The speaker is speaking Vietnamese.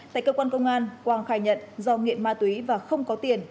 tại cơ quan công an quang khai nhận do nghiện ma túy và không có tiền